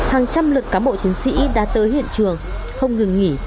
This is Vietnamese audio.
hàng trăm lượt cám bộ chiến sĩ đã tới hiện trường không dừng nghỉ